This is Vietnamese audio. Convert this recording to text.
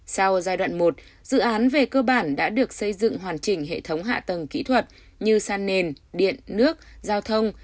sau giai đoạn một dự án về cơ bản đã được xây dựng hoàn chỉnh hệ thống hạ tầng kỹ thuật như san nền điện nước giao thông